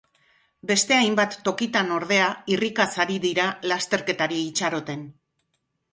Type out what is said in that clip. Beste hainbat tokitan, ordea, irrikaz ari dira lasterketari itxaroten.